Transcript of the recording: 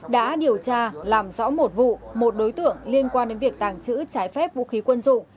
đã điều tra làm rõ một vụ một đối tượng liên quan đến việc tàng trữ trái phép vũ khí quân dụng